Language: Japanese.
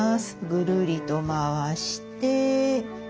ぐるりと回して。